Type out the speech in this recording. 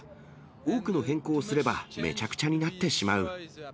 多くの変更をすればめちゃくちゃになってしまう。